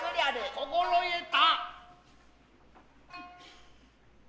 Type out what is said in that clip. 心得た。